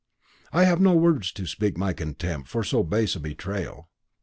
I have no words to speak my contempt for so base a betrayal.